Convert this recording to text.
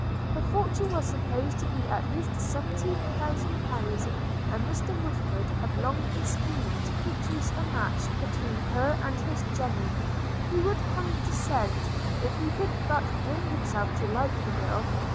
Her fortune was supposed to be at least seventy thousand pounds; and Mr Woodford had long been scheming to procure a match between her and his Jemmy: – to which Jemmy declared he would condescend, if he could but bring himself to like the girl.